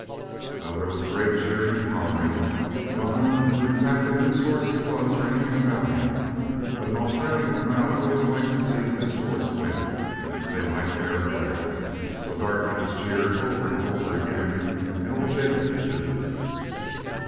Well, there was great cheering and hollering, though none knew exactly whose horse he was or anything about him; but an Australian crowd always likes to see the best horse win and they like fair play so Darkie was cheered over and over again, and old Jacob too.